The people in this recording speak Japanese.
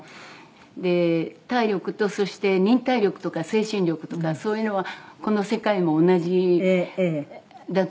で体力とそして忍耐力とか精神力とかそういうのはこの世界も同じだと思うんですね。